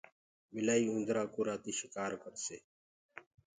ٻلآئيٚ اُوندرآ ڪو رآتي شِڪآر ڪرسي۔